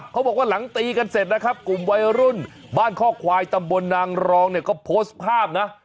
เขาบอกว่าหลังตีกันเสร็จนะครับกลุ่มวัยรุ่นบ้านข้อควายตำบลนางรองเนี่ยก็โพสต์ภาพนะ